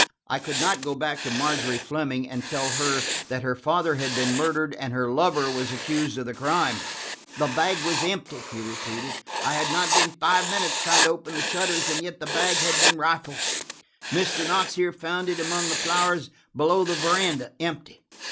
I could not go back to Margery Fleming and tell her that her father had been murdered and her lover was accused of the crime. "The bag was empty," he repeated. "I had not been five minutes trying to open the shutters, and yet the bag had been rifled. Mr. Knox here found it among the flowers below the veranda, empty."